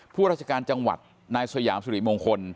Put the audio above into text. ผู้ราชการจังหวัดนายสยามสุริมงคล